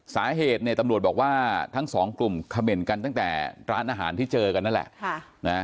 สาเหตุเนี่ยตำรวจบอกว่าทั้งสองกลุ่มเขม่นกันตั้งแต่ร้านอาหารที่เจอกันนั่นแหละ